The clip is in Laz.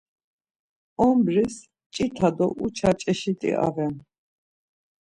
Ombris mçit̆a do uça çeşit̆i aven.